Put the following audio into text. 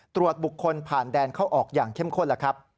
ตรวจบุคคลผ่านแดนเข้าออกอย่างเข้มข้นแล้วครับ